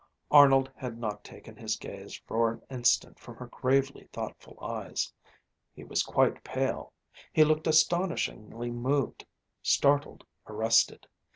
Arnold had not taken his gaze for an instant from her gravely thoughtful eyes. He was quite pale. He looked astonishingly moved, startled, arrested.